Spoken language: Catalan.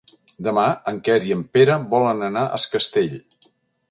Demà en Quer i en Pere volen anar a Es Castell.